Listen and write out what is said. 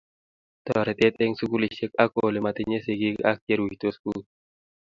Toretet eng sukulisiek ak ole matinye sikiik ak che ruitos kuut